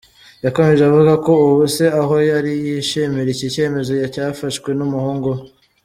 Yakomeje avuga ko ubu se aho ari yishimira iki cyemezo cyafashwe n’umuhungu we.